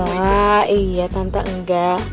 wah iya tante enggak